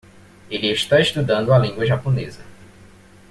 Ele está estudando a língua Japonesa.